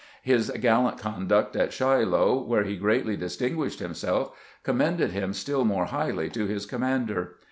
His gallant conduct at Shiloh, where he greatly distinguished himself, commended him still more highly to his commander.